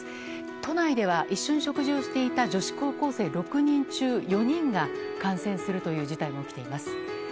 都内では一緒に食事をしていた女子高校生６人中４人が感染するという事態も起きています。